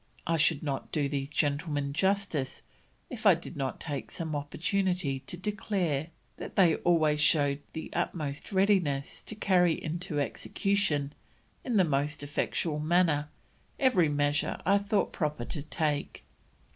I should not do these gentlemen justice if I did not take some opportunity to declare that they always showed the utmost readiness to carry into execution in the most effectual manner, every measure I thought proper to take.